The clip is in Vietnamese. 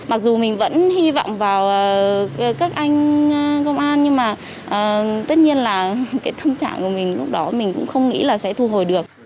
mặc dù mình vẫn hy vọng vào các anh công an nhưng mà tất nhiên là cái tâm trạng của mình lúc đó mình cũng không nghĩ là sẽ thu hồi được